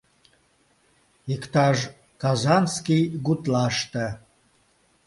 Иктаж казанский гутлаште...